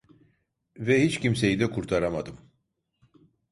Ve hiç kimseyi de kurtaramadım.